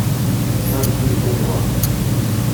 cinq rue Terre Noire